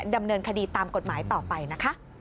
ดำเนินคดีตามกฎหมายต่อไปนะคะ